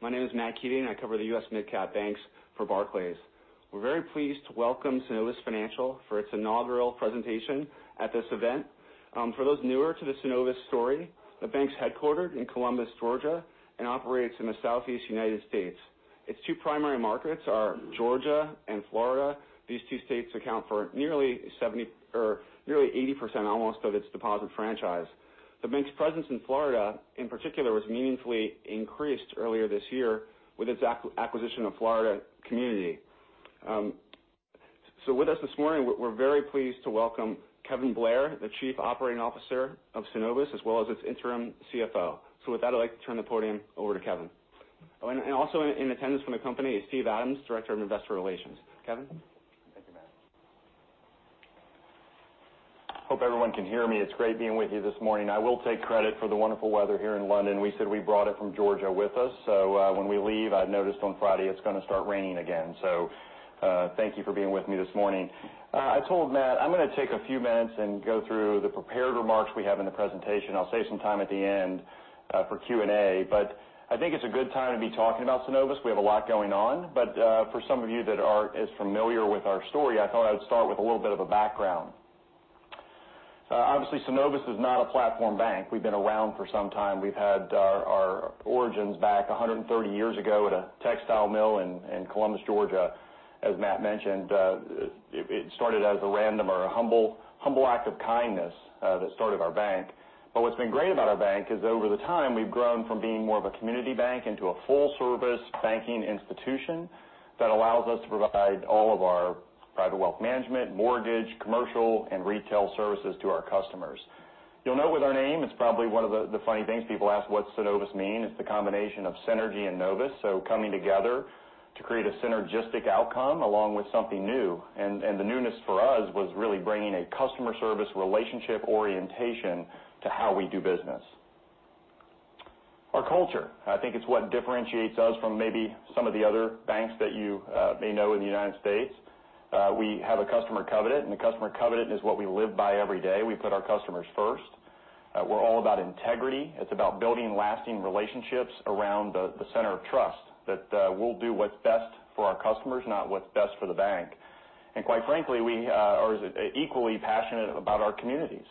My name is Matt Keating. I cover the U.S. mid-cap banks for Barclays. We're very pleased to welcome Synovus Financial for its inaugural presentation at this event. For those newer to the Synovus story, the bank's headquartered in Columbus, Georgia, and operates in the Southeast U.S. Its two primary markets are Georgia and Florida. These two states account for nearly 80%, almost, of its deposit franchise. The bank's presence in Florida, in particular, was meaningfully increased earlier this year with its acquisition of Florida Community. With us this morning, we're very pleased to welcome Kevin Blair, the Chief Operating Officer of Synovus, as well as its interim CFO. With that, I'd like to turn the podium over to Kevin. Oh, and also in attendance from the company is Steve Adams, Director of Investor Relations. Kevin? Thank you, Matt. Hope everyone can hear me. It's great being with you this morning. I will take credit for the wonderful weather here in London. We said we brought it from Georgia with us. When we leave, I've noticed on Friday it's going to start raining again. Thank you for being with me this morning. I told Matt I'm going to take a few minutes and go through the prepared remarks we have in the presentation. I'll save some time at the end for Q&A. I think it's a good time to be talking about Synovus. We have a lot going on. For some of you that aren't as familiar with our story, I thought I would start with a little bit of a background. Obviously, Synovus is not a platform bank. We've been around for some time. We've had our origins back 130 years ago at a textile mill in Columbus, Georgia. As Matt mentioned, it started as a random or a humble act of kindness that started our bank. What's been great about our bank is over the time, we've grown from being more of a community bank into a full-service banking institution that allows us to provide all of our private wealth management, mortgage, commercial, and retail services to our customers. You'll note with our name, it's probably one of the funny things people ask what Synovus means. It's the combination of synergy and novus. Coming together to create a synergistic outcome along with something new. The newness for us was really bringing a customer service relationship orientation to how we do business. Our culture, I think it's what differentiates us from maybe some of the other banks that you may know in the U.S. We have a Customer Covenant, the Customer Covenant is what we live by every day. We put our customers first. We're all about integrity. It's about building lasting relationships around the center of trust that we'll do what's best for our customers, not what's best for the bank. Quite frankly, we are as equally passionate about our communities.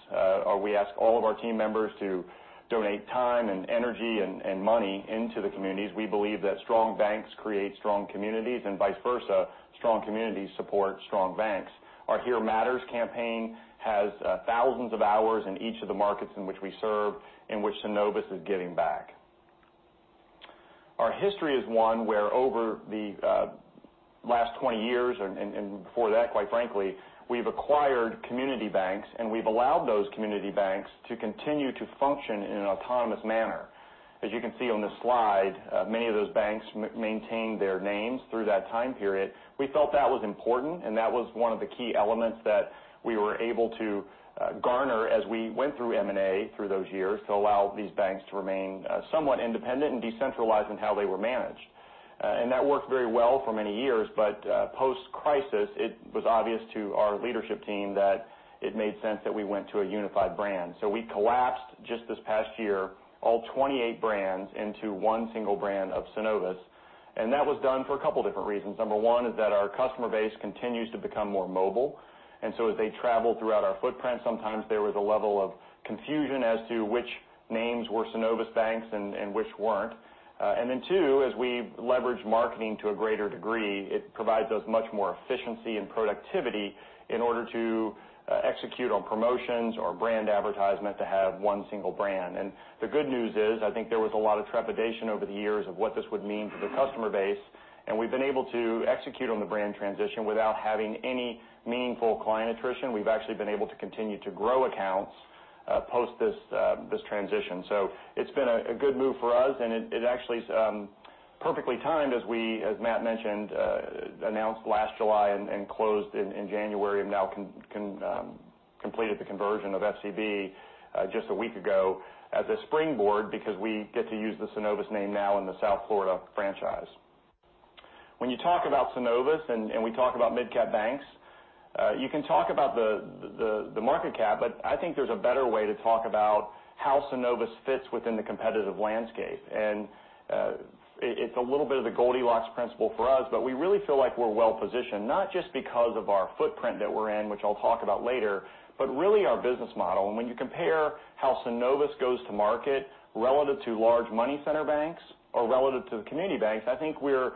We ask all of our team members to donate time and energy and money into the communities. We believe that strong banks create strong communities, and vice versa, strong communities support strong banks. Our Here Matters campaign has thousands of hours in each of the markets in which we serve in which Synovus is giving back. Our history is one where over the last 20 years and before that, quite frankly, we've acquired community banks, and we've allowed those community banks to continue to function in an autonomous manner. As you can see on this slide, many of those banks maintained their names through that time period. We felt that was important, and that was one of the key elements that we were able to garner as we went through M&A through those years to allow these banks to remain somewhat independent and decentralized in how they were managed. That worked very well for many years, but post-crisis, it was obvious to our leadership team that it made sense that we went to a unified brand. We collapsed just this past year, all 28 brands into one single brand of Synovus, and that was done for a couple of different reasons. Number one is that our customer base continues to become more mobile, so as they travel throughout our footprint, sometimes there was a level of confusion as to which names were Synovus banks and which weren't. Then two, as we leverage marketing to a greater degree, it provides us much more efficiency and productivity in order to execute on promotions or brand advertisement to have one single brand. The good news is, I think there was a lot of trepidation over the years of what this would mean for the customer base, and we've been able to execute on the brand transition without having any meaningful client attrition. We've actually been able to continue to grow accounts post this transition. It's been a good move for us, and it actually is perfectly timed as we, as Matt mentioned, announced last July and closed in January and now completed the conversion of FCB just a week ago as a springboard because we get to use the Synovus name now in the South Florida franchise. When you talk about Synovus and we talk about mid-cap banks, you can talk about the market cap, but I think there's a better way to talk about how Synovus fits within the competitive landscape. It's a little bit of the Goldilocks principle for us, but we really feel like we're well-positioned, not just because of our footprint that we're in, which I'll talk about later, but really our business model. When you compare how Synovus goes to market relative to large money center banks or relative to the community banks, I think we're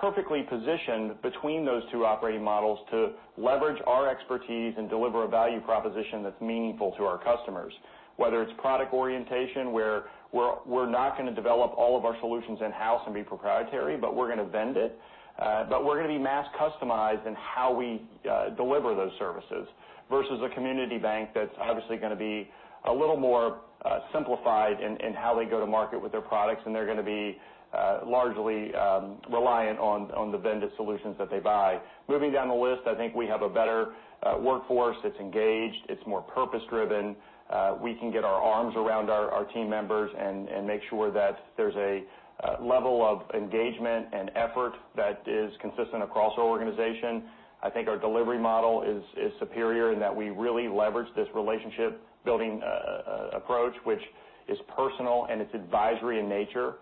perfectly positioned between those two operating models to leverage our expertise and deliver a value proposition that's meaningful to our customers. Whether it's product orientation, where we're not going to develop all of our solutions in-house and be proprietary, but we're going to vend it. We're going to be mass customized in how we deliver those services versus a community bank that's obviously going to be a little more simplified in how they go to market with their products, and they're going to be largely reliant on the vendor solutions that they buy. Moving down the list, I think we have a better workforce that's engaged. It's more purpose-driven. We can get our arms around our team members and make sure that there's a level of engagement and effort that is consistent across our organization. I think our delivery model is superior in that we really leverage this relationship-building approach, which is personal and it's advisory in nature.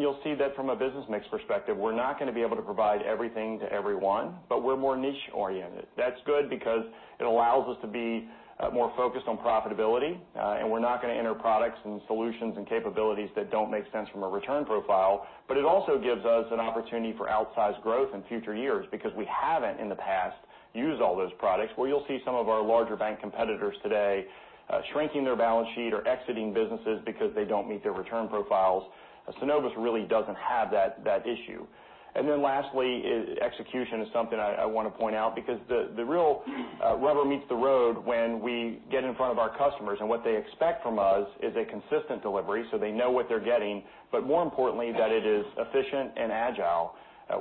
You'll see that from a business mix perspective, we're not going to be able to provide everything to everyone, but we're more niche-oriented. That's good because it allows us to be more focused on profitability. We're not going to enter products and solutions and capabilities that don't make sense from a return profile. It also gives us an opportunity for outsized growth in future years because we haven't, in the past, used all those products, where you'll see some of our larger bank competitors today shrinking their balance sheet or exiting businesses because they don't meet their return profiles. Synovus really doesn't have that issue. Lastly, execution is something I want to point out because the real rubber meets the road when we get in front of our customers. What they expect from us is a consistent delivery so they know what they're getting, but more importantly, that it is efficient and agile.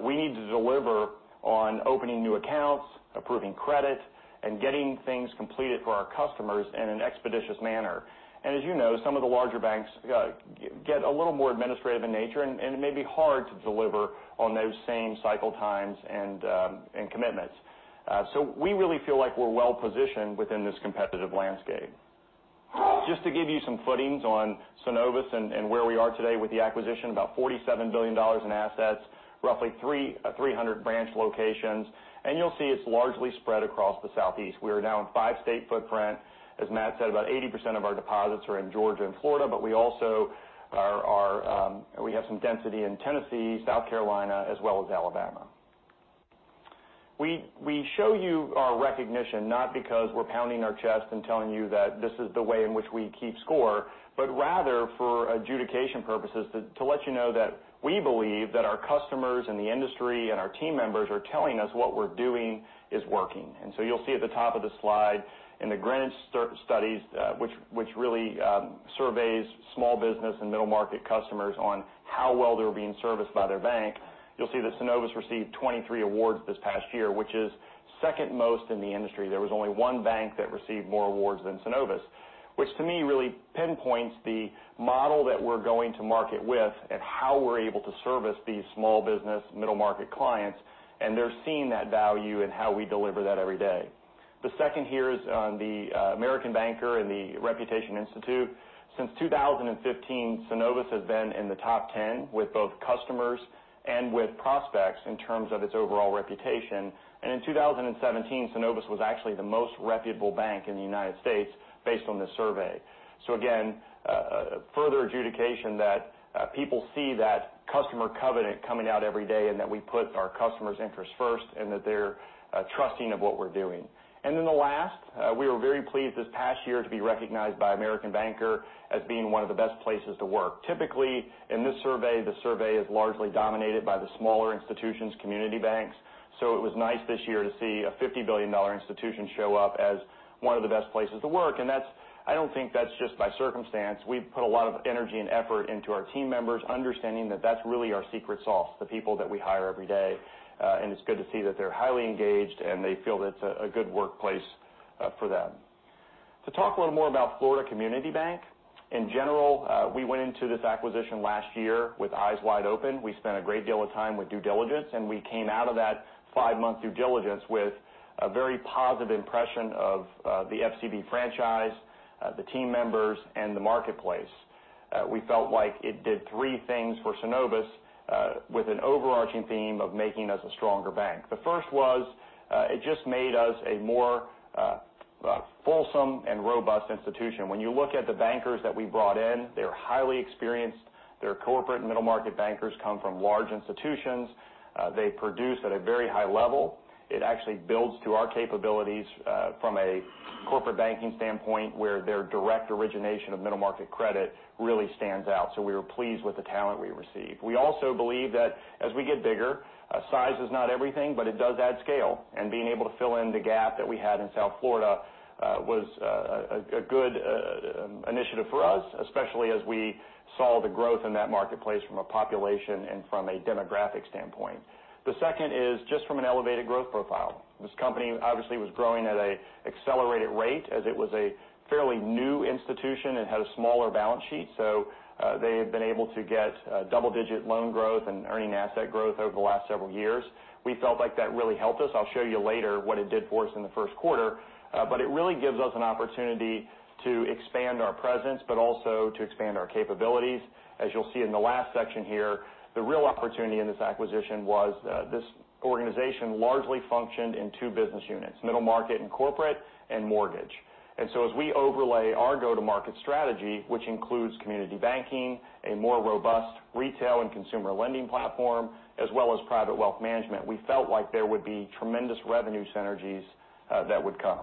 We need to deliver on opening new accounts, approving credit, and getting things completed for our customers in an expeditious manner. As you know, some of the larger banks get a little more administrative in nature, and it may be hard to deliver on those same cycle times and commitments. We really feel like we're well-positioned within this competitive landscape. Just to give you some footings on Synovus and where we are today with the acquisition, about $47 billion in assets, roughly 300 branch locations. You'll see it's largely spread across the Southeast. We are now in five state footprint. As Matt said, about 80% of our deposits are in Georgia and Florida. We also have some density in Tennessee, South Carolina, as well as Alabama. We show you our recognition not because we're pounding our chest and telling you that this is the way in which we keep score, but rather for adjudication purposes, to let you know that we believe that our customers and the industry and our team members are telling us what we're doing is working. You'll see at the top of the slide in the Greenwich Studies, which really surveys small business and middle-market customers on how well they're being serviced by their bank. You'll see that Synovus received 23 awards this past year, which is second most in the industry. There was only one bank that received more awards than Synovus, which to me really pinpoints the model that we're going to market with and how we're able to service these small business middle-market clients, and they're seeing that value in how we deliver that every day. The second here is on the American Banker and the Reputation Institute. Since 2015, Synovus has been in the top 10 with both customers and with prospects in terms of its overall reputation. In 2017, Synovus was actually the most reputable bank in the U.S. based on this survey. Again, further adjudication that people see that Customer Covenant coming out every day and that we put our customer's interests first and that they're trusting of what we're doing. The last, we were very pleased this past year to be recognized by American Banker as being one of the best places to work. Typically, in this survey, the survey is largely dominated by the smaller institutions, community banks. It was nice this year to see a $50 billion institution show up as one of the best places to work. I don't think that's just by circumstance. We've put a lot of energy and effort into our team members, understanding that that's really our secret sauce, the people that we hire every day. It's good to see that they're highly engaged, and they feel that it's a good workplace for them. To talk a little more about Florida Community Bank. In general, we went into this acquisition last year with eyes wide open. We spent a great deal of time with due diligence, and we came out of that five-month due diligence with a very positive impression of the FCB franchise, the team members, and the marketplace. We felt like it did three things for Synovus with an overarching theme of making us a stronger bank. The first was it just made us a more fulsome and robust institution. When you look at the bankers that we brought in, they're highly experienced. Their corporate and middle-market bankers come from large institutions. They produce at a very high level. It actually builds to our capabilities from a corporate banking standpoint, where their direct origination of middle-market credit really stands out. We were pleased with the talent we received. We also believe that as we get bigger, size is not everything, but it does add scale. Being able to fill in the gap that we had in South Florida was a good initiative for us, especially as we saw the growth in that marketplace from a population and from a demographic standpoint. The second is just from an elevated growth profile. This company obviously was growing at an accelerated rate as it was a fairly new institution and had a smaller balance sheet. They have been able to get double-digit loan growth and earning asset growth over the last several years. We felt like that really helped us. I'll show you later what it did for us in the first quarter. It really gives us an opportunity to expand our presence but also to expand our capabilities. You'll see in the last section here, the real opportunity in this acquisition was that this organization largely functioned in two business units, middle market and corporate and mortgage. As we overlay our go-to-market strategy, which includes community banking, a more robust retail and consumer lending platform, as well as Private Wealth Management, we felt like there would be tremendous revenue synergies that would come.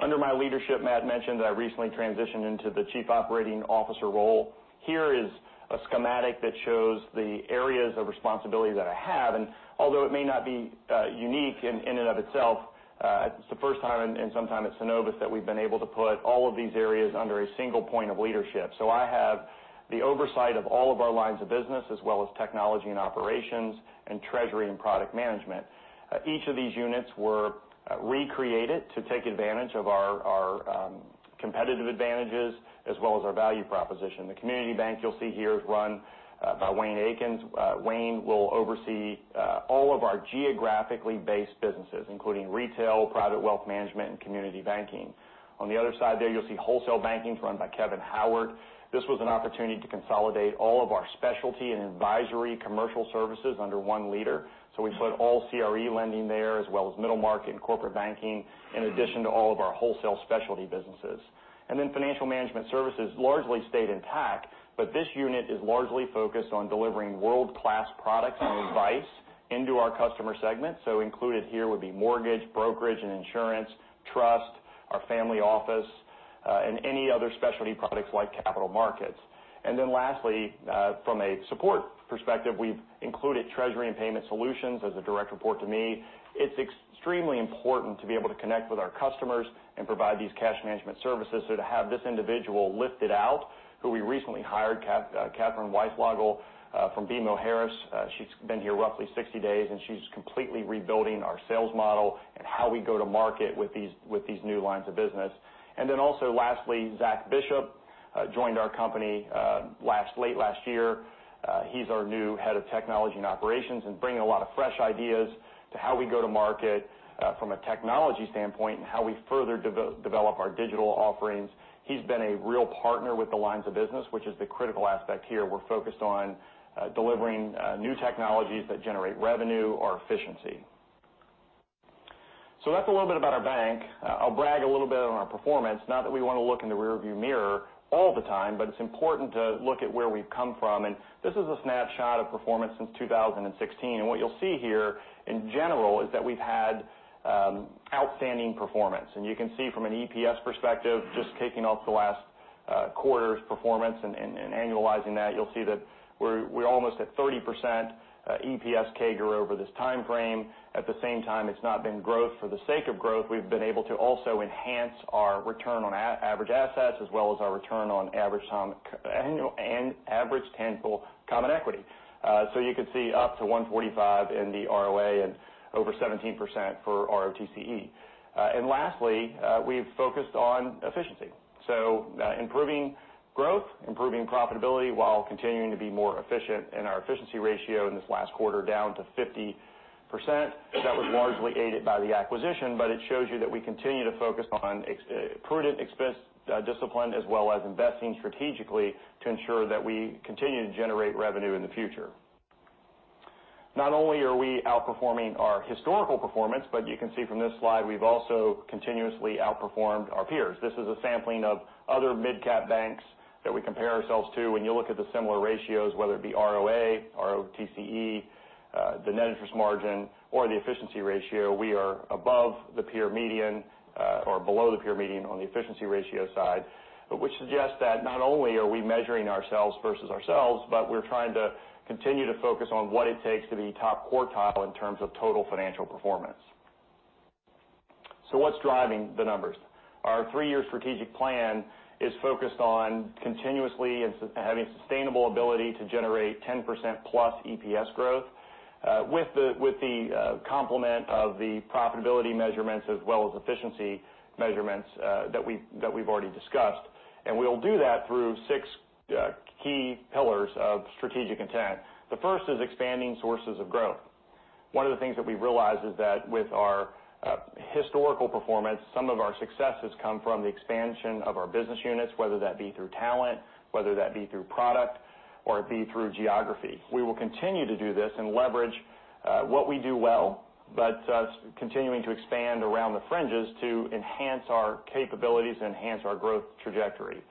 Under my leadership, Matt mentioned that I recently transitioned into the Chief Operating Officer role. Here is a schematic that shows the areas of responsibility that I have. Although it may not be unique in and of itself, it's the first time in some time at Synovus that we've been able to put all of these areas under a single point of leadership. I have the oversight of all of our lines of business, as well as technology and operations and treasury and product management. Each of these units were recreated to take advantage of our competitive advantages as well as our value proposition. The community bank you'll see here is run by Wayne Akins. Wayne will oversee all of our geographically based businesses, including retail, private wealth management, and community banking. On the other side there, you'll see wholesale banking run by Kevin Howard. This was an opportunity to consolidate all of our specialty and advisory commercial services under one leader. We put all CRE lending there, as well as middle market and corporate banking, in addition to all of our wholesale specialty businesses. Financial management services largely stayed intact, but this unit is largely focused on delivering world-class products and advice into our customer segment. Included here would be mortgage, brokerage, and insurance, trust, our family office, and any other specialty products like capital markets. Lastly, from a support perspective, we've included treasury and payment solutions as a direct report to me. It's extremely important to be able to connect with our customers and provide these cash management services. To have this individual lifted out, who we recently hired, Katherine Weislogel from BMO Harris. She's been here roughly 60 days, and she's completely rebuilding our sales model and how we go to market with these new lines of business. Lastly, Zack Bishop joined our company late last year. He's our new head of technology and operations and bringing a lot of fresh ideas to how we go to market from a technology standpoint and how we further develop our digital offerings. He's been a real partner with the lines of business, which is the critical aspect here. We're focused on delivering new technologies that generate revenue or efficiency. That's a little bit about our bank. I'll brag a little bit on our performance. Not that we want to look in the rear-view mirror all the time, but it's important to look at where we've come from. This is a snapshot of performance since 2016. What you'll see here, in general, is that we've had outstanding performance. You can see from an EPS perspective, just taking off the last quarter's performance and annualizing that, you'll see that we're almost at 30% EPS CAGR over this timeframe. At the same time, it's not been growth for the sake of growth. We've been able to also enhance our return on average assets, as well as our return on average tangible common equity. You could see up to 145 in the ROA and over 17% for ROTCE. Lastly, we've focused on efficiency. Improving growth, improving profitability while continuing to be more efficient in our efficiency ratio in this last quarter down to 50%. That was largely aided by the acquisition, it shows you that we continue to focus on prudent expense discipline as well as investing strategically to ensure that we continue to generate revenue in the future. Not only are we outperforming our historical performance, you can see from this slide, we've also continuously outperformed our peers. This is a sampling of other midcap banks that we compare ourselves to. When you look at the similar ratios, whether it be ROA, ROTCE, the net interest margin, or the efficiency ratio, we are above the peer median or below the peer median on the efficiency ratio side, which suggests that not only are we measuring ourselves versus ourselves, but we're trying to continue to focus on what it takes to be top quartile in terms of total financial performance. What's driving the numbers? Our three-year strategic plan is focused on continuously having sustainable ability to generate 10% plus EPS growth with the complement of the profitability measurements as well as efficiency measurements that we've already discussed. We'll do that through six key pillars of strategic intent. The first is expanding sources of growth. One of the things that we realized is that with our historical performance, some of our successes come from the expansion of our business units, whether that be through talent, whether that be through product, or it be through geography. We will continue to do this and leverage what we do well, but continuing to expand around the fringes to enhance our capabilities and enhance our growth trajectory.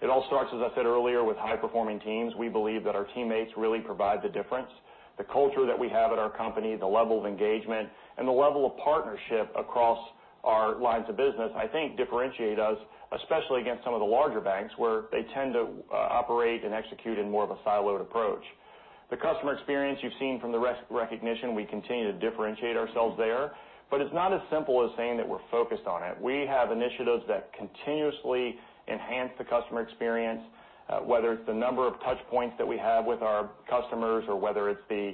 It all starts, as I said earlier, with high-performing teams. We believe that our teammates really provide the difference. The culture that we have at our company, the level of engagement, and the level of partnership across our lines of business, I think differentiate us, especially against some of the larger banks where they tend to operate and execute in more of a siloed approach. The customer experience you've seen from the recognition, we continue to differentiate ourselves there. It's not as simple as saying that we're focused on it. We have initiatives that continuously enhance the customer experience, whether it's the number of touch points that we have with our customers or whether it's the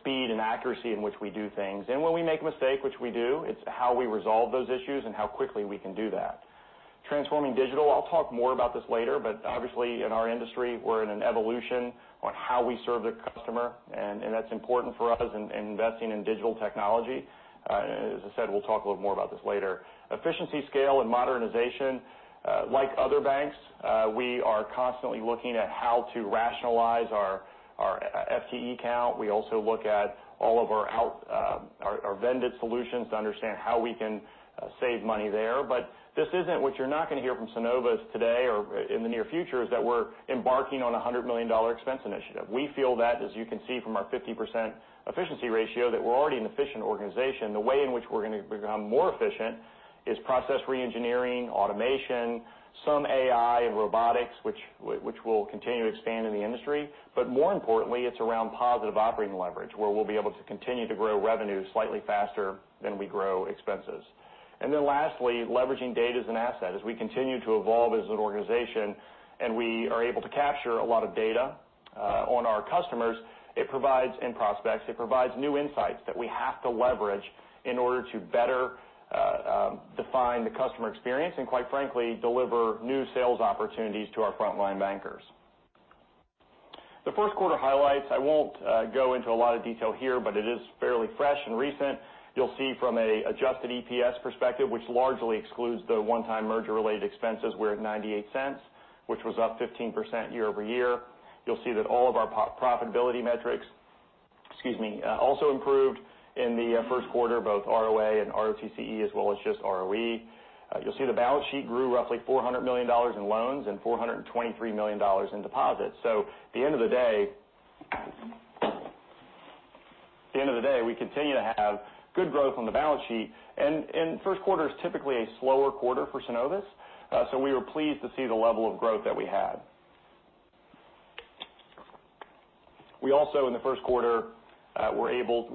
speed and accuracy in which we do things. When we make a mistake, which we do, it's how we resolve those issues and how quickly we can do that. Transforming digital, I'll talk more about this later, obviously in our industry, we're in an evolution on how we serve the customer, and that's important for us in investing in digital technology. As I said, we'll talk a little more about this later. Efficiency, scale, and modernization. Like other banks, we are constantly looking at how to rationalize our FTE count. We also look at all of our vended solutions to understand how we can save money there. What you're not going to hear from Synovus today or in the near future is that we're embarking on a $100 million expense initiative. We feel that, as you can see from our 50% efficiency ratio, that we're already an efficient organization. The way in which we're going to become more efficient is process re-engineering, automation, some AI and robotics, which will continue to expand in the industry. More importantly, it's around positive operating leverage, where we'll be able to continue to grow revenue slightly faster than we grow expenses. Lastly, leveraging data as an asset. As we continue to evolve as an organization and we are able to capture a lot of data on our customers and prospects, it provides new insights that we have to leverage in order to better define the customer experience and quite frankly, deliver new sales opportunities to our frontline bankers. The first quarter highlights, I won't go into a lot of detail here, but it is fairly fresh and recent. You'll see from an adjusted EPS perspective, which largely excludes the one-time merger-related expenses, we're at $0.98, which was up 15% year-over-year. You'll see that all of our profitability metrics also improved in the first quarter, both ROA and ROTCE, as well as just ROE. You'll see the balance sheet grew roughly $400 million in loans and $423 million in deposits. At the end of the day, we continue to have good growth on the balance sheet. First quarter is typically a slower quarter for Synovus, so we were pleased to see the level of growth that we had. We also, in the first quarter,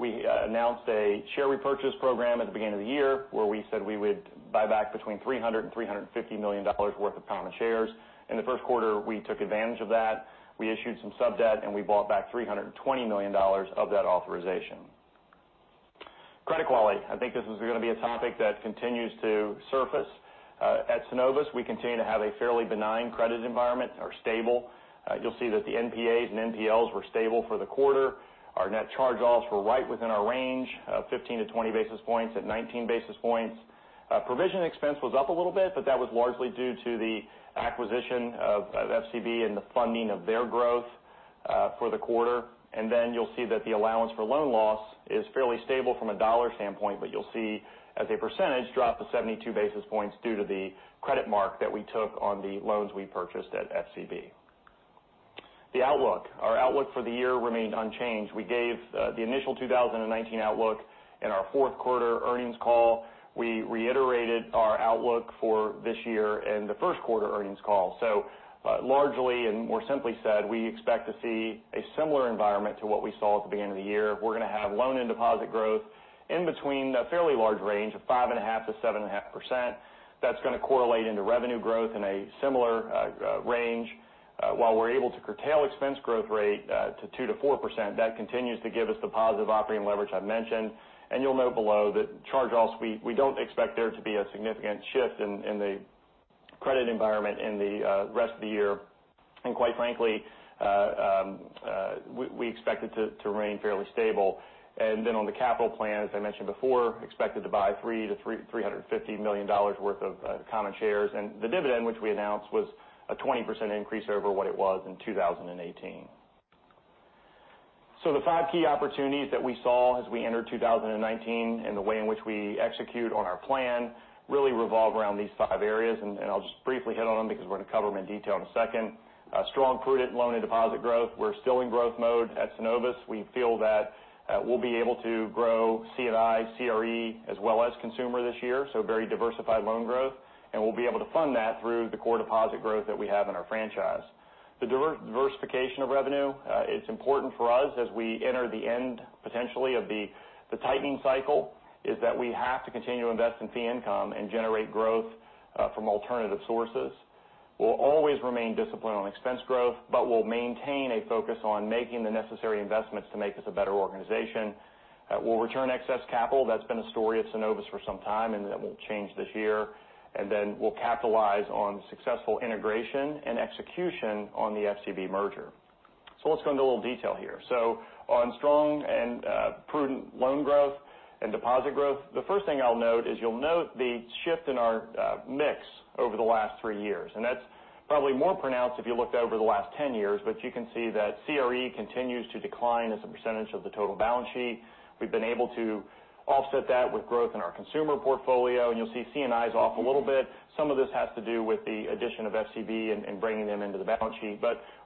we announced a share repurchase program at the beginning of the year where we said we would buy back between $300 million and $350 million worth of common shares. In the first quarter, we took advantage of that. We issued some sub-debt, and we bought back $320 million of that authorization. Credit quality. I think this is going to be a topic that continues to surface. At Synovus, we continue to have a fairly benign credit environment, or stable. You'll see that the NPAs and NPLs were stable for the quarter. Our net charge-offs were right within our range of 15-20 basis points, at 19 basis points. Provision expense was up a little bit, but that was largely due to the acquisition of FCB and the funding of their growth for the quarter. You'll see that the allowance for loan loss is fairly stable from a dollar standpoint, but you'll see, as a percentage, drop to 72 basis points due to the credit mark that we took on the loans we purchased at FCB. The outlook. Our outlook for the year remained unchanged. We gave the initial 2019 outlook in our fourth quarter earnings call. We reiterated our outlook for this year in the first quarter earnings call. Largely, and more simply said, we expect to see a similar environment to what we saw at the beginning of the year. We're going to have loan and deposit growth in between a fairly large range of 5.5%-7.5%. That's going to correlate into revenue growth in a similar range. While we're able to curtail expense growth rate to 2%-4%, that continues to give us the positive operating leverage I've mentioned. You'll note below that charge-offs, we don't expect there to be a significant shift in the credit environment in the rest of the year. Quite frankly, we expect it to remain fairly stable. On the capital plan, as I mentioned before, expected to buy $300 million to $350 million worth of common shares. The dividend, which we announced, was a 20% increase over what it was in 2018. The five key opportunities that we saw as we entered 2019 and the way in which we execute on our plan really revolve around these five areas, and I'll just briefly hit on them because we're going to cover them in detail in a second. Strong, prudent loan and deposit growth. We're still in growth mode at Synovus. We feel that we'll be able to grow C&I, CRE, as well as consumer this year, so very diversified loan growth. We'll be able to fund that through the core deposit growth that we have in our franchise. The diversification of revenue. It's important for us as we enter the end, potentially, of the tightening cycle, is that we have to continue to invest in fee income and generate growth from alternative sources. We'll always remain disciplined on expense growth, but we'll maintain a focus on making the necessary investments to make us a better organization. We'll return excess capital. That's been a story at Synovus for some time, and that won't change this year. We'll capitalize on successful integration and execution on the FCB merger. Let's go into a little detail here. On strong and prudent loan growth and deposit growth, the first thing I'll note is you'll note the shift in our mix over the last three years. That's probably more pronounced if you looked over the last 10 years, but you can see that CRE continues to decline as a percentage of the total balance sheet. We've been able to offset that with growth in our consumer portfolio, and you'll see C&I is off a little bit. Some of this has to do with the addition of FCB and bringing them into the balance sheet.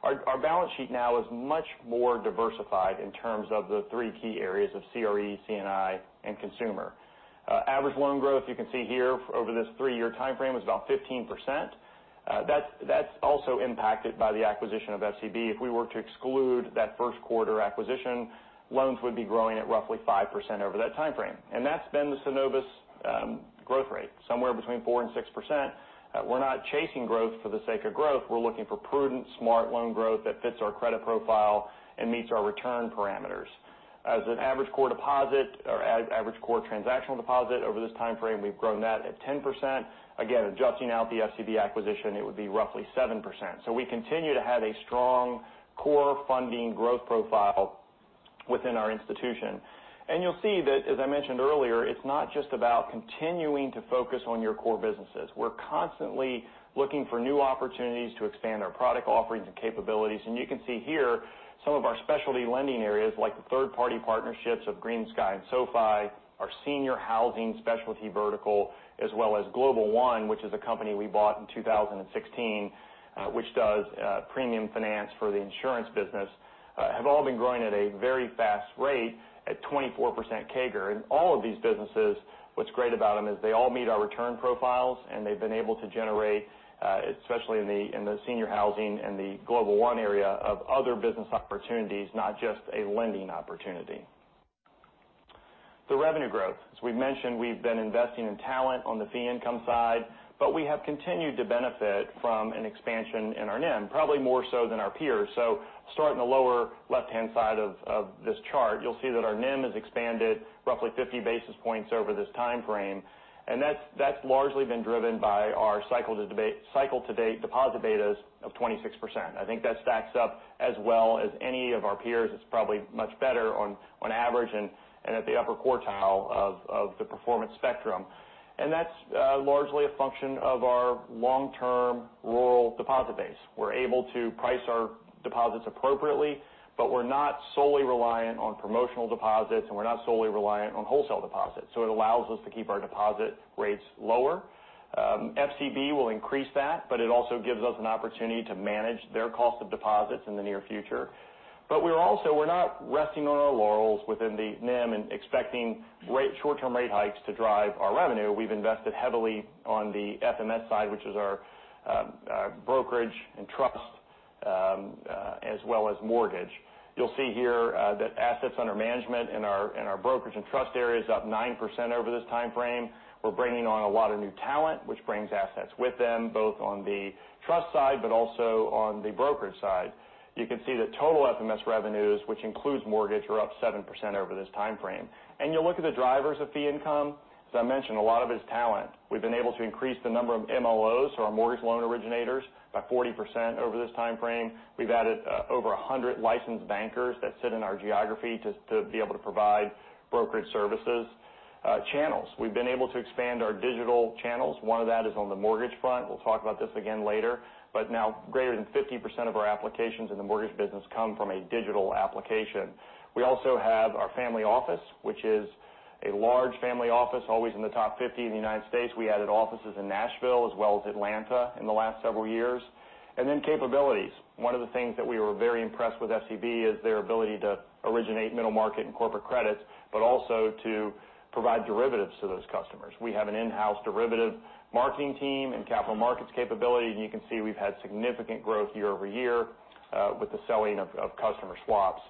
Our balance sheet now is much more diversified in terms of the three key areas of CRE, C&I, and consumer. Average loan growth, you can see here over this three-year timeframe, was about 15%. That's also impacted by the acquisition of FCB. If we were to exclude that first quarter acquisition, loans would be growing at roughly 5% over that timeframe. That's been the Synovus growth rate, somewhere between 4% and 6%. We're not chasing growth for the sake of growth. We're looking for prudent, smart loan growth that fits our credit profile and meets our return parameters. As an average core deposit or average core transactional deposit over this timeframe, we've grown that at 10%. Again, adjusting out the FCB acquisition, it would be roughly 7%. We continue to have a strong core funding growth profile within our institution. You'll see that, as I mentioned earlier, it's not just about continuing to focus on your core businesses. We're constantly looking for new opportunities to expand our product offerings and capabilities. You can see here some of our specialty lending areas, like the third-party partnerships of GreenSky and SoFi, our senior housing specialty vertical, as well as Global One, which is a company we bought in 2016, which does premium finance for the insurance business, have all been growing at a very fast rate at 24% CAGR. All of these businesses, what's great about them is they all meet our return profiles, and they've been able to generate, especially in the senior housing and the Global One area, of other business opportunities, not just a lending opportunity. The revenue growth. As we've mentioned, we've been investing in talent on the fee income side, but we have continued to benefit from an expansion in our NIM, probably more so than our peers. Start in the lower left-hand side of this chart, you'll see that our NIM has expanded roughly 50 basis points over this timeframe, and that's largely been driven by our cycle to date deposit betas of 26%. I think that stacks up as well as any of our peers. It's probably much better on average and at the upper quartile of the performance spectrum. That's largely a function of our long-term rural deposit base. We're able to price our deposits appropriately, but we're not solely reliant on promotional deposits, and we're not solely reliant on wholesale deposits. It allows us to keep our deposit rates lower. FCB will increase that, It also gives us an opportunity to manage their cost of deposits in the near future. We're not resting on our laurels within the NIM and expecting short-term rate hikes to drive our revenue. We've invested heavily on the FMS side, which is our brokerage and trust, as well as mortgage. You'll see here that assets under management in our brokerage and trust area is up 9% over this timeframe. We're bringing on a lot of new talent, which brings assets with them, both on the trust side but also on the brokerage side. You can see that total FMS revenues, which includes mortgage, are up 7% over this timeframe. You'll look at the drivers of fee income. As I mentioned, a lot of it is talent. We've been able to increase the number of MLOs, so our Mortgage Loan Originators, by 40% over this timeframe. We've added over 100 licensed bankers that sit in our geography to be able to provide brokerage services. Channels. We've been able to expand our digital channels. One of that is on the mortgage front. We'll talk about this again later. Now, greater than 50% of our applications in the mortgage business come from a digital application. We also have our family office, which is a large family office, always in the top 50 in the U.S. We added offices in Nashville as well as Atlanta in the last several years. Capabilities. One of the things that we were very impressed with FCB is their ability to originate middle market and corporate credits, but also to provide derivatives to those customers. We have an in-house derivative marketing team and capital markets capability, You can see we've had significant growth year over year with the selling of customer swaps.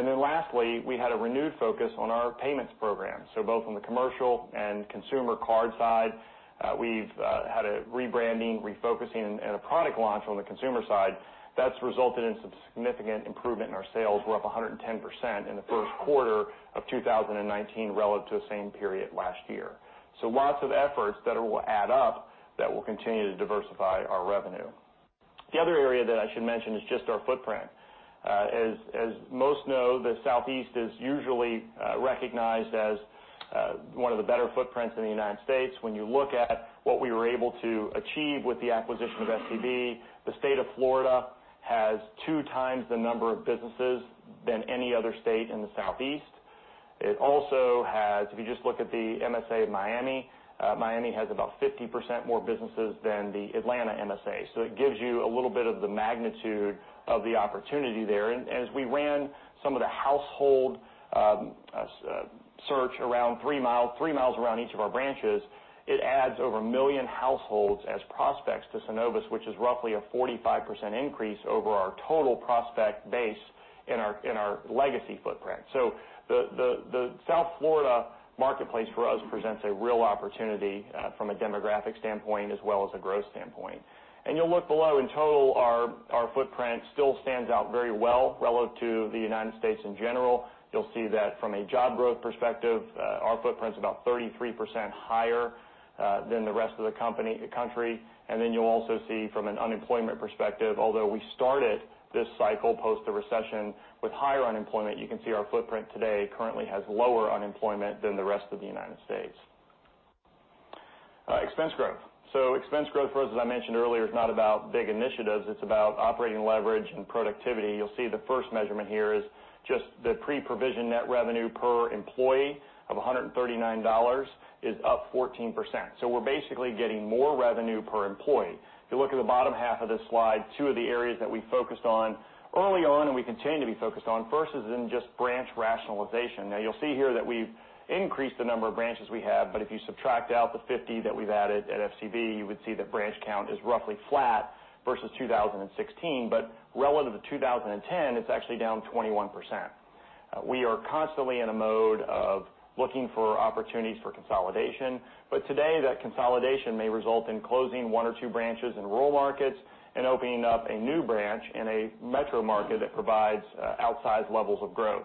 Lastly, we had a renewed focus on our payments program. Both on the commercial and consumer card side, we've had a rebranding, refocusing, and a product launch on the consumer side. That's resulted in some significant improvement in our sales. We're up 110% in the first quarter of 2019 relative to the same period last year. Lots of efforts that will add up that will continue to diversify our revenue. The other area that I should mention is just our footprint. As most know, the Southeast is usually recognized as one of the better footprints in the U.S. When you look at what we were able to achieve with the acquisition of FCB, the state of Florida has two times the number of businesses than any other state in the Southeast. If you just look at the MSA of Miami has about 50% more businesses than the Atlanta MSA. It gives you a little bit of the magnitude of the opportunity there. As we ran some of the household search three miles around each of our branches, it adds over a million households as prospects to Synovus, which is roughly a 45% increase over our total prospect base in our legacy footprint. The South Florida marketplace for us presents a real opportunity from a demographic standpoint as well as a growth standpoint. You'll look below, in total, our footprint still stands out very well relative to the U.S. in general. You'll see that from a job growth perspective, our footprint's about 33% higher than the rest of the country. You'll also see from an unemployment perspective, although we started this cycle post the recession with higher unemployment, you can see our footprint today currently has lower unemployment than the rest of the U.S. Expense growth. Expense growth for us, as I mentioned earlier, is not about big initiatives. It's about operating leverage and productivity. You'll see the first measurement here is just the Pre-Provision Net Revenue per employee of $139 is up 14%. We're basically getting more revenue per employee. If you look at the bottom half of this slide, two of the areas that we focused on early on and we continue to be focused on, first is in just branch rationalization. You'll see here that we've increased the number of branches we have, if you subtract out the 50 that we've added at FCB, you would see that branch count is roughly flat versus 2016. Relative to 2010, it's actually down 21%. We are constantly in a mode of looking for opportunities for consolidation. Today, that consolidation may result in closing one or two branches in rural markets and opening up a new branch in a metro market that provides outsized levels of growth.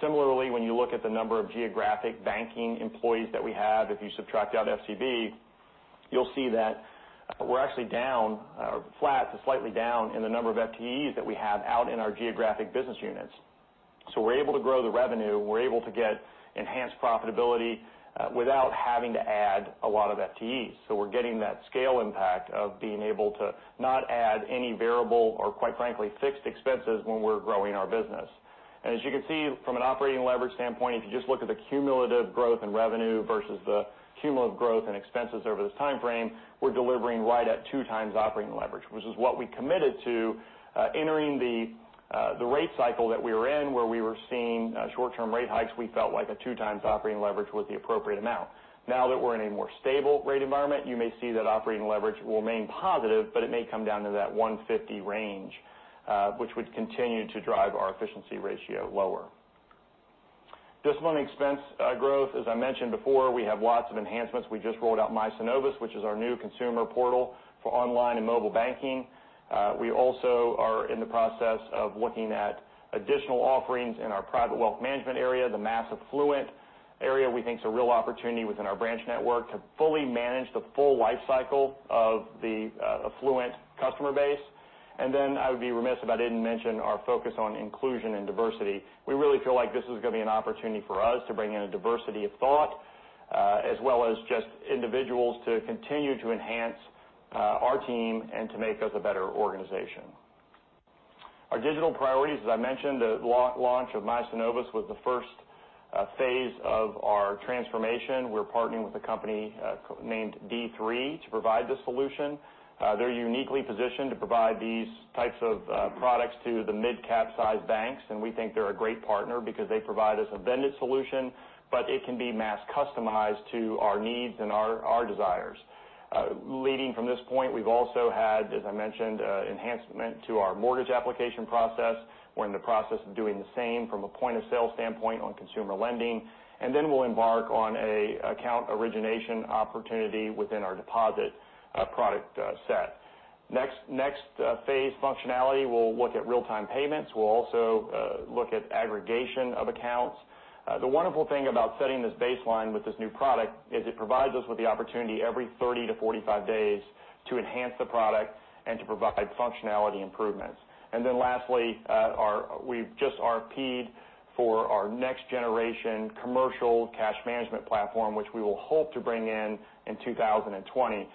Similarly, when you look at the number of geographic banking employees that we have, if you subtract out FCB, you'll see that we're actually flat to slightly down in the number of FTEs that we have out in our geographic business units. We're able to grow the revenue, and we're able to get enhanced profitability without having to add a lot of FTEs. We're getting that scale impact of being able to not add any variable or, quite frankly, fixed expenses when we're growing our business. As you can see from an operating leverage standpoint, if you just look at the cumulative growth in revenue versus the cumulative growth in expenses over this timeframe, we're delivering right at two times operating leverage, which is what we committed to entering the rate cycle that we were in, where we were seeing short-term rate hikes. We felt like a two times operating leverage was the appropriate amount. Now that we're in a more stable rate environment, you may see that operating leverage will remain positive, but it may come down to that 150 range, which would continue to drive our efficiency ratio lower. Discipline expense growth. As I mentioned before, we have lots of enhancements. We just rolled out My Synovus, which is our new consumer portal for online and mobile banking. We also are in the process of looking at additional offerings in our Private Wealth Management area. The mass affluent area, we think, is a real opportunity within our branch network to fully manage the full life cycle of the affluent customer base. I would be remiss if I didn't mention our focus on inclusion and diversity. We really feel like this is going to be an opportunity for us to bring in a diversity of thought, as well as just individuals to continue to enhance our team and to make us a better organization. Our digital priorities, as I mentioned, the launch of My Synovus was the first phase of our transformation. We're partnering with a company named D3 to provide this solution. They're uniquely positioned to provide these types of products to the mid-cap size banks. We think they're a great partner because they provide us a vended solution, but it can be mass customized to our needs and our desires. Leading from this point, we've also had, as I mentioned, enhancement to our mortgage application process. We're in the process of doing the same from a point-of-sale standpoint on consumer lending. We'll embark on an account origination opportunity within our deposit product set. Next phase functionality, we'll look at real-time payments. We'll also look at aggregation of accounts. The wonderful thing about setting this baseline with this new product is it provides us with the opportunity every 30 to 45 days to enhance the product and to provide functionality improvements. Lastly, we've just RFP'd for our next-generation commercial cash management platform, which we will hope to bring in in 2020.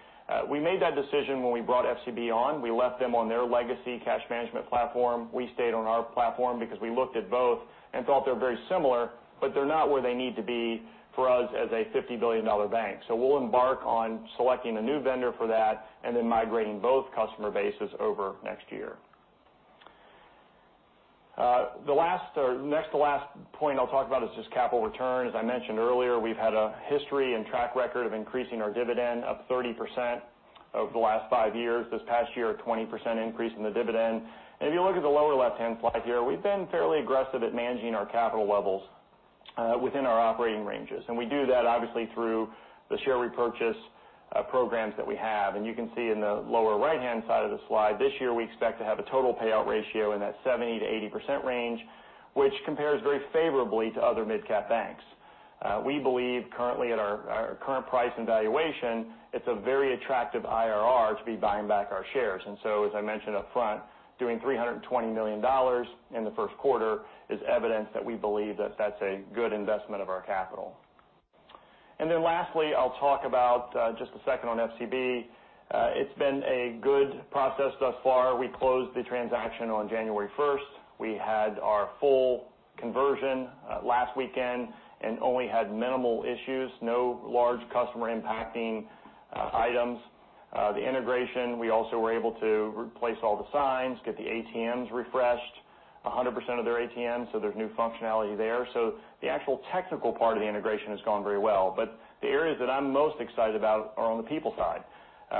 We made that decision when we brought FCB on. We left them on their legacy cash management platform. We stayed on our platform because we looked at both and thought they're very similar, but they're not where they need to be for us as a $50 billion bank. We'll embark on selecting a new vendor for that and then migrating both customer bases over next year. The next to last point I'll talk about is just capital return. As I mentioned earlier, we've had a history and track record of increasing our dividend up 30% over the last five years, this past year, a 20% increase in the dividend. If you look at the lower left-hand slide here, we've been fairly aggressive at managing our capital levels within our operating ranges. We do that obviously through the share repurchase programs that we have. You can see in the lower right-hand side of the slide, this year, we expect to have a total payout ratio in that 70%-80% range, which compares very favorably to other mid-cap banks. We believe currently at our current price and valuation, it's a very attractive IRR to be buying back our shares. As I mentioned upfront, doing $320 million in the first quarter is evidence that we believe that that's a good investment of our capital. Lastly, I'll talk about just a second on FCB. It's been a good process thus far. We closed the transaction on January 1st. We had our full conversion last weekend and only had minimal issues, no large customer-impacting items. The integration, we also were able to replace all the signs, get the ATMs refreshed, 100% of their ATMs, so there's new functionality there. The actual technical part of the integration has gone very well. The areas that I'm most excited about are on the people side.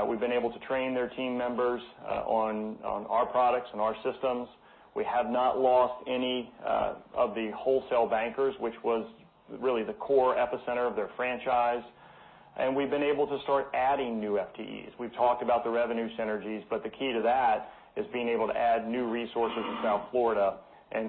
We've been able to train their team members on our products and our systems. We have not lost any of the wholesale bankers, which was really the core epicenter of their franchise. We've been able to start adding new FTEs. We've talked about the revenue synergies, but the key to that is being able to add new resources in South Florida.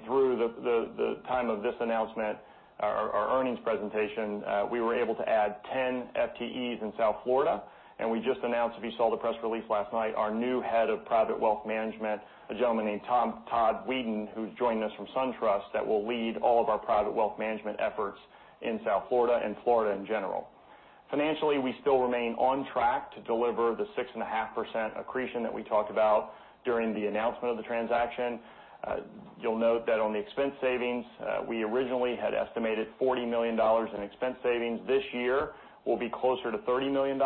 Through the time of this announcement, our earnings presentation, we were able to add 10 FTEs in South Florida. We just announced, if you saw the press release last night, our new head of private wealth management, a gentleman named Todd Whedon, who's joining us from SunTrust, that will lead all of our private wealth management efforts in South Florida and Florida in general. Financially, we still remain on track to deliver the 6.5% accretion that we talked about during the announcement of the transaction. You'll note that on the expense savings, we originally had estimated $40 million in expense savings. This year, we'll be closer to $30 million,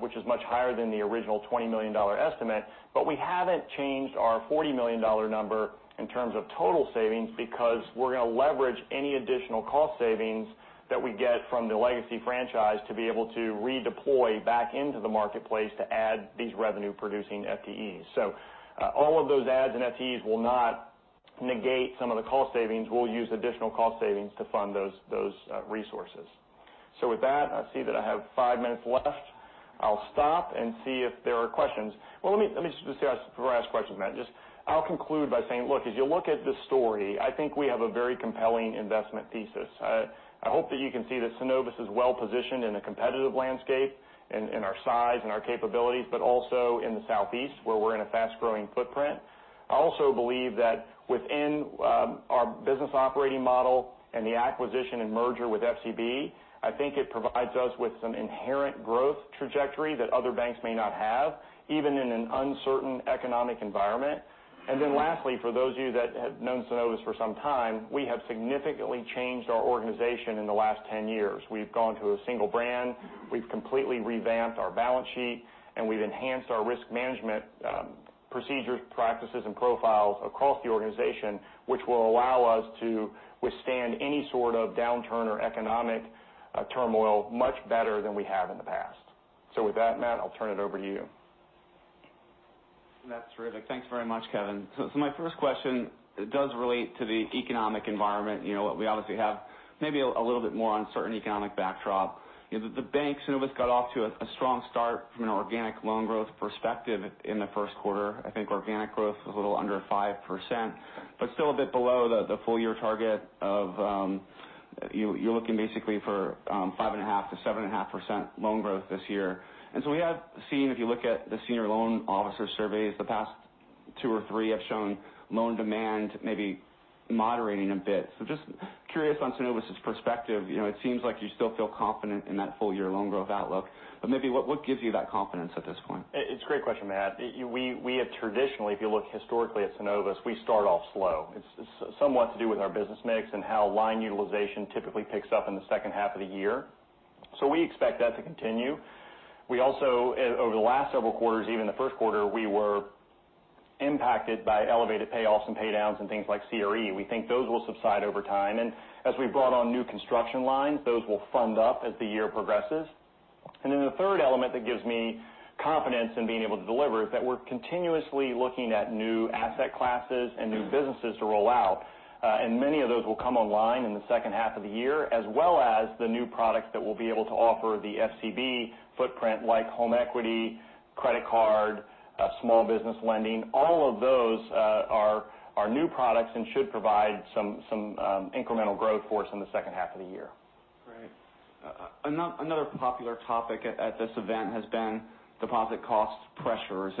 which is much higher than the original $20 million estimate. We haven't changed our $40 million number in terms of total savings because we're going to leverage any additional cost savings that we get from the legacy franchise to be able to redeploy back into the marketplace to add these revenue-producing FTEs. All of those adds in FTEs will not negate some of the cost savings. We'll use additional cost savings to fund those resources. With that, I see that I have five minutes left. I'll stop and see if there are questions. Well, let me just before I ask questions, Matt, I'll conclude by saying, look, as you look at this story, I think we have a very compelling investment thesis. I hope that you can see that Synovus is well-positioned in a competitive landscape in our size and our capabilities, but also in the Southeast, where we're in a fast-growing footprint. I also believe that within our business operating model and the acquisition and merger with FCB, I think it provides us with some inherent growth trajectory that other banks may not have, even in an uncertain economic environment. Lastly, for those of you that have known Synovus for some time, we have significantly changed our organization in the last 10 years. We've gone to a single brand. We've completely revamped our balance sheet, and we've enhanced our risk management procedures, practices, and profiles across the organization, which will allow us to withstand any sort of downturn or economic turmoil much better than we have in the past. With that, Matt, I'll turn it over to you. That's terrific. Thanks very much, Kevin. My first question does relate to the economic environment. We obviously have maybe a little bit more uncertain economic backdrop. The bank, Synovus, got off to a strong start from an organic loan growth perspective in the first quarter. I think organic growth was a little under 5%, but still a bit below the full-year target of, you're looking basically for 5.5%-7.5% loan growth this year. We have seen, if you look at the senior loan officer surveys, the past two or three have shown loan demand maybe moderating a bit. Just curious on Synovus' perspective. It seems like you still feel confident in that full-year loan growth outlook, but maybe what gives you that confidence at this point? It's a great question, Matt. We have traditionally, if you look historically at Synovus, we start off slow. It's somewhat to do with our business mix and how line utilization typically picks up in the second half of the year. We expect that to continue. We also, over the last several quarters, even the first quarter, we were impacted by elevated payoffs and pay downs and things like CRE. We think those will subside over time. As we've brought on new construction lines, those will fund up as the year progresses. The third element that gives me confidence in being able to deliver is that we're continuously looking at new asset classes and new businesses to roll out. Many of those will come online in the second half of the year, as well as the new products that we'll be able to offer the FCB footprint, like home equity, credit card, small business lending. All of those are new products and should provide some incremental growth for us in the second half of the year. Great. Another popular topic at this event has been deposit cost pressures.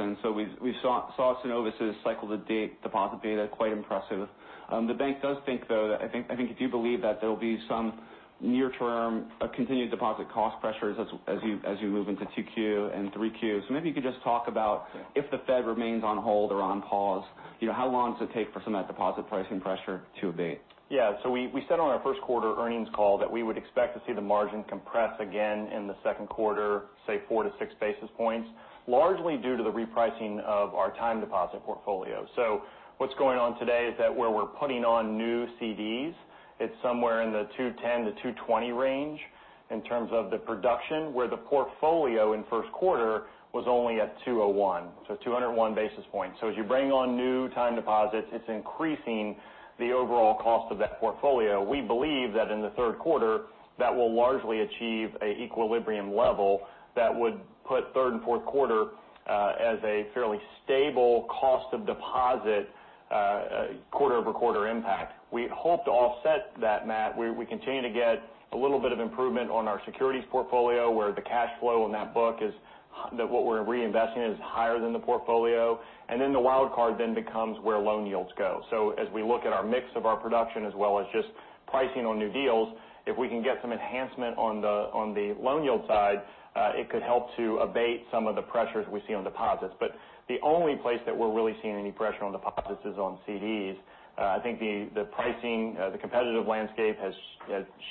We saw Synovus' cycle-to-date deposit data, quite impressive. The bank does think, though, I think if you believe that there'll be some near-term continued deposit cost pressures as you move into 2Q and 3Q. Maybe you could just talk about if the Fed remains on hold or on pause, how long does it take for some of that deposit pricing pressure to abate? Yeah. We said on our first quarter earnings call that we would expect to see the margin compress again in the second quarter, say 4 to 6 basis points, largely due to the repricing of our time deposit portfolio. What's going on today is that where we're putting on new CDs, it's somewhere in the 210 to 220 range in terms of the production, where the portfolio in first quarter was only at 201. 201 basis points. As you bring on new time deposits, it's increasing the overall cost of that portfolio. We believe that in the third quarter, that will largely achieve an equilibrium level that would put third and fourth quarter as a fairly stable cost of deposit quarter-over-quarter impact. We hope to offset that, Matt. We continue to get a little bit of improvement on our securities portfolio, where the cash flow in that book is that what we're reinvesting is higher than the portfolio. The wild card then becomes where loan yields go. As we look at our mix of our production, as well as just pricing on new deals, if we can get some enhancement on the loan yield side, it could help to abate some of the pressures we see on deposits. The only place that we're really seeing any pressure on deposits is on CDs. I think the pricing, the competitive landscape has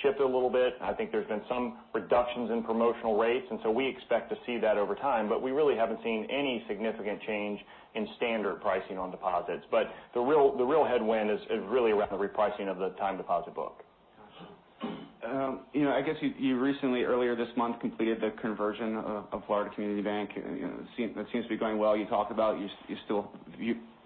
shifted a little bit. I think there's been some reductions in promotional rates, we expect to see that over time. We really haven't seen any significant change in standard pricing on deposits. The real headwind is really around the repricing of the time deposit book. Got you. I guess you recently, earlier this month, completed the conversion of Florida Community Bank. That seems to be going well. You talked about you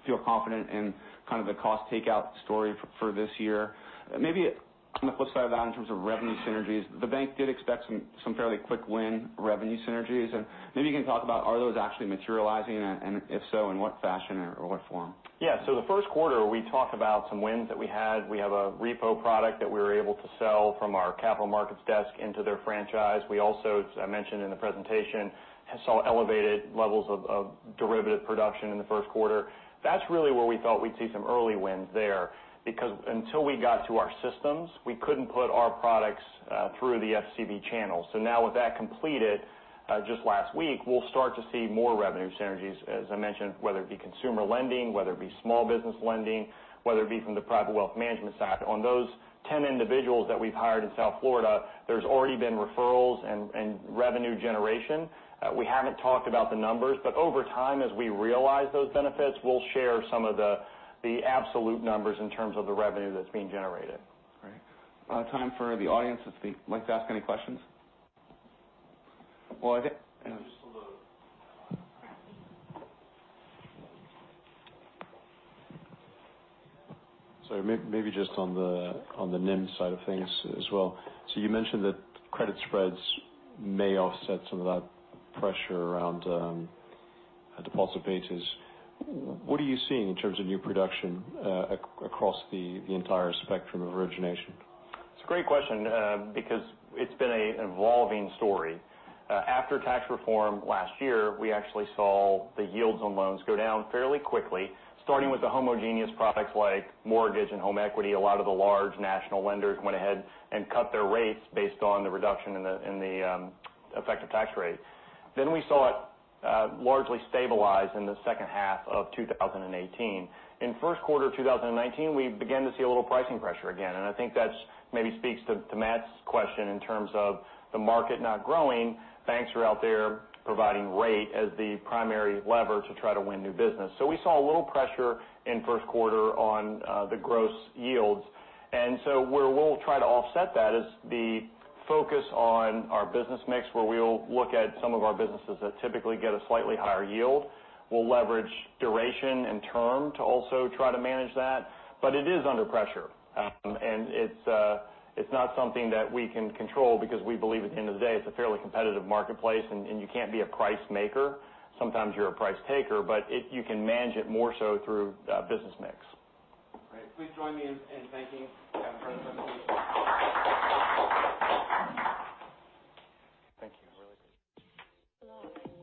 feel confident in kind of the cost takeout story for this year. Maybe on the flip side of that, in terms of revenue synergies, the bank did expect some fairly quick-win revenue synergies. Maybe you can talk about are those actually materializing, and if so, in what fashion or what form? The first quarter, we talked about some wins that we had. We have a repo product that we were able to sell from our capital markets desk into their franchise. We also, as I mentioned in the presentation, saw elevated levels of derivative production in the first quarter. That's really where we thought we'd see some early wins there. Because until we got to our systems, we couldn't put our products through the FCB channels. Now with that completed just last week, we'll start to see more revenue synergies, as I mentioned, whether it be consumer lending, whether it be small business lending, whether it be from the private wealth management side. On those 10 individuals that we've hired in South Florida, there's already been referrals and revenue generation. We haven't talked about the numbers, over time, as we realize those benefits, we'll share some of the absolute numbers in terms of the revenue that's being generated. Great. Time for the audience, if they'd like to ask any questions. Well, I think. Maybe just on the NIM side of things as well. You mentioned that credit spreads may offset some of that pressure around deposit bases. What are you seeing in terms of new production across the entire spectrum of origination? It's a great question because it's been an evolving story. After tax reform last year, we actually saw the yields on loans go down fairly quickly, starting with the homogeneous products like mortgage and home equity. A lot of the large national lenders went ahead and cut their rates based on the reduction in the effective tax rate. We saw it largely stabilize in the second half of 2018. In first quarter 2019, we began to see a little pricing pressure again. I think that maybe speaks to Matt's question in terms of the market not growing. Banks are out there providing rate as the primary lever to try to win new business. We saw a little pressure in first quarter on the gross yields. Where we'll try to offset that is the focus on our business mix, where we'll look at some of our businesses that typically get a slightly higher yield. We'll leverage duration and term to also try to manage that. It is under pressure. It's not something that we can control because we believe at the end of the day, it's a fairly competitive marketplace, and you can't be a price maker. Sometimes you're a price taker, but you can manage it more so through business mix. Great. Please join me in thanking Kevin. Thank you. Really appreciate it. Hello.